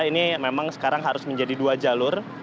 ini memang sekarang harus menjadi dua jalur